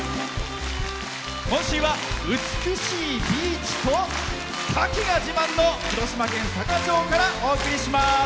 今週は美しいビーチとカキが自慢の広島県坂町からお送りします。